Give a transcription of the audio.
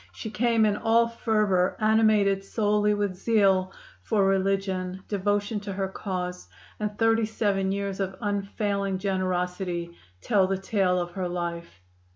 She came in all fervor, animated solely with zeal for religion devotion to her cause. And thirty seven years of unfailing generosity tell the tale of her life.